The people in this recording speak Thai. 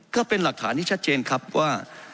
ก็เป็นหลักฐานที่ชัดเจนครับว่า